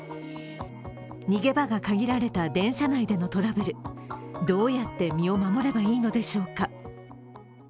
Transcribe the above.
逃げ場が限られた電車内でのトラブル、どうやって身を守ればいいのでしょうか。